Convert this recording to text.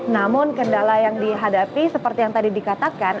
namun kendala yang dihadapi seperti yang tadi dikatakan